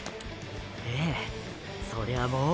ええそりゃあもう！